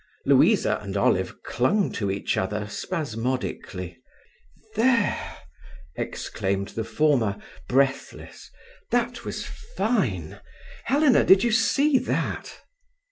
Louisa and Olive clung to each other spasmodically. "There!" exclaimed the former, breathless. "That was fine! Helena, did you see that?"